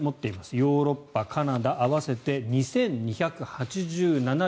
ヨーロッパ、カナダ合わせて２２８７両。